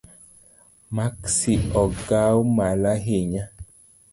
Maksi ong’aw malo ahinya?